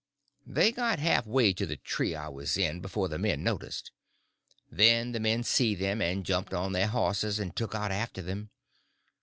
They got half way to the tree I was in before the men noticed. Then the men see them, and jumped on their horses and took out after them.